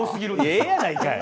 ええやないかい！